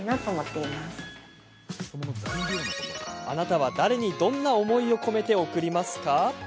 あなたは誰にどんな思いを込めて贈りますか？